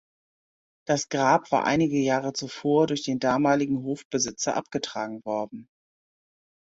Das Grab war einige Jahre zuvor durch den damaligen Hofbesitzer abgetragen worden.